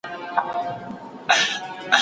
کله چې روغتیا ته پاملرنه وشي، ناروغۍ پراخېږي نه.